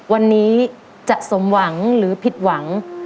วันนี้จะสมหวังหรือผิดหวัง